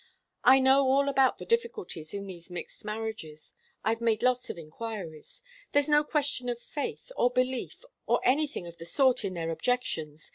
I know all about the difficulties in these mixed marriages. I've made lots of enquiries. There's no question of faith, or belief, or anything of the sort in their objections.